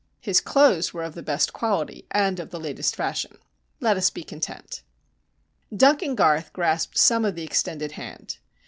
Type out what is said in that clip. His clothes were of the best quality and of the latest fashion. Let us be content. Duncan Garth grasped some of the extended hand.